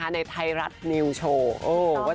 อย่างพี่ดาวนี่ก็นิดหน่อยไม่ได้มากมายเลย